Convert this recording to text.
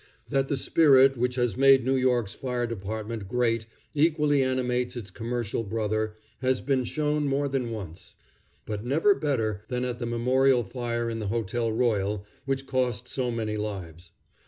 That the spirit which has made New York's Fire Department great equally animates its commercial brother has been shown more than once, but never better than at the memorable fire in the Hotel Royal, which cost so many lives.